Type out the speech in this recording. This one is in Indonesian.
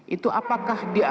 itu apakah diarahkan